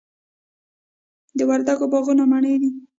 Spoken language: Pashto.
د وردګو باغونه مڼې دي